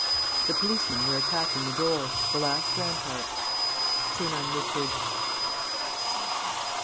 The policemen were attacking the door, the last rampart. Sernine whispered. "I will save you.